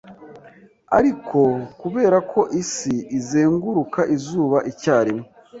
Ariko kubera ko Isi izenguruka izuba icyarimwe